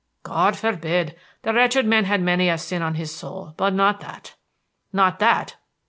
"God forbid! the wretched man had many a sin on his soul, but not that." "Not that!"